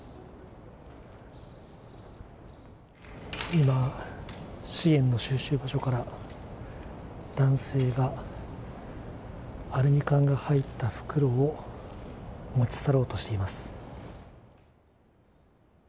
今、資源の収集場所から男性がアルミ缶が入った袋を持ち去ろうとしています。